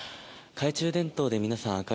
懐中電灯で皆さん